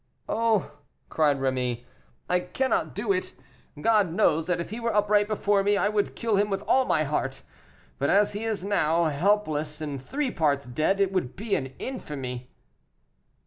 "Oh!" cried Rémy, "I cannot do it. God knows that if he were upright before me I would kill him with all my heart; but as he is now, helpless and three parts dead, it would be an infamy."